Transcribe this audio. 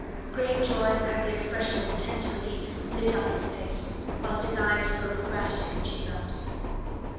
Great joy, and the expression of intense relief, lit up his face, whilst his eyes spoke the gratitude which he felt.